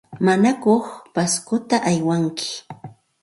¿Manaku Pascota aywanki?